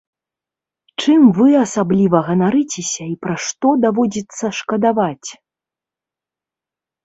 Чым вы асабліва ганарыцеся і пра што даводзіцца шкадаваць?